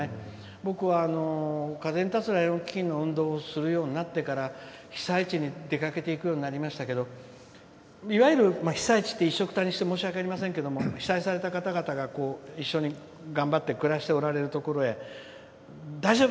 僕は、風に立つライオン基金の運動をするようになってから被災地に出かけていくようになりましたけどいわゆる被災地って一緒くたにして申し訳ありませんけど被災された方々が一緒に頑張って暮らしておられるところへ大丈夫？